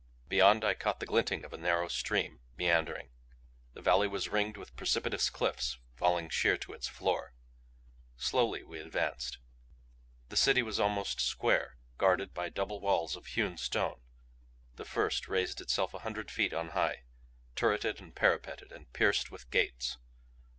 Beyond, I caught the glinting of a narrow stream, meandering. The valley was ringed with precipitous cliffs falling sheer to its floor. Slowly we advanced. The city was almost square, guarded by double walls of hewn stone. The first raised itself a hundred feet on high, turreted and parapeted and pierced with gates.